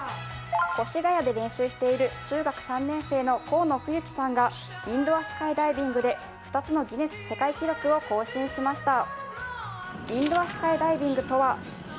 越谷で練習している中学３年生の河野冬妃さんがインドアスカイダイビングで２つの世界ギネス記録を更新しました。